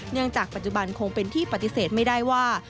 จากปัจจุบันคงเป็นที่ปฏิเสธไม่ได้ว่า